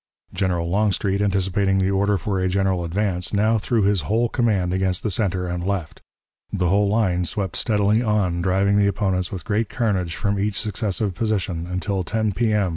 General Longstreet, anticipating the order for a general advance, now threw his whole command against the center and left. The whole line swept steadily on, driving the opponents with great carnage from each successive position, until 10 P.M.